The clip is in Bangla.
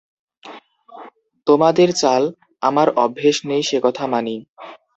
তোমাদের চাল আমার অভ্যেস নেই সে কথা মানি।